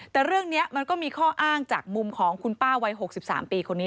แต่เรื่องนี้มันก็มีข้ออ้างจากมุมของคุณป้าวัย๖๓ปีคนนี้